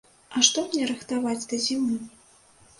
А што мне рыхтаваць да зімы?